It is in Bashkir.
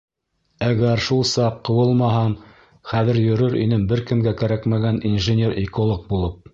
Әгәр шул саҡ ҡыуылмаһам, хәҙер йөрөр инем бер кемгә кәрәкмәгән инженер-эколог булып.